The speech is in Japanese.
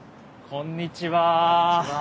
こんにちは。